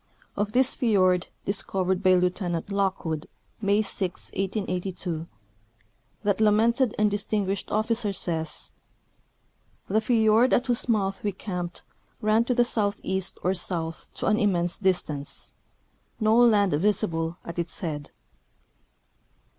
Of this fiord, discovered by Lieutenant Lock wood May 6, 1882, that lamented and distinguished officer says :" The fiord at whose mouth Ave camped ran to the southeast or south to an immense distance ; no land visible at its head."